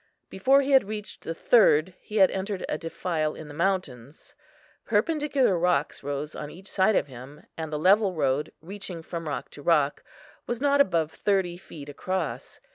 Before he had reached the third he had entered a defile in the mountains. Perpendicular rocks rose on each side of him, and the level road, reaching from rock to rock, was not above thirty feet across.